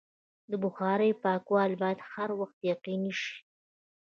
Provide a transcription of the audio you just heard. د بخارۍ پاکوالی باید هر وخت یقیني شي.